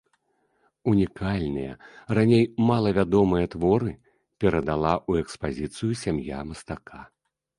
Унікальныя, раней мала вядомыя творы перадала ў экспазіцыю сям'я мастака.